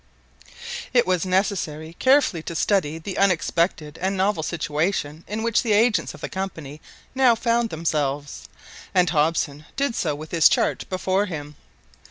It was necessary carefully to study the unexpected and novel situation in which the agents of the Company now found themselves, and Hobson did so with his chart before him.